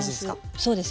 そうですね。